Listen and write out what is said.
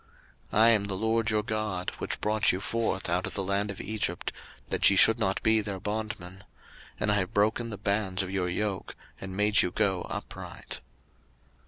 03:026:013 I am the LORD your God, which brought you forth out of the land of Egypt, that ye should not be their bondmen; and I have broken the bands of your yoke, and made you go upright.